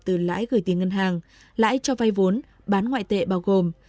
từ lãi gửi tiền ngân hàng lãi cho vay vốn bán ngoại tệ bao gồm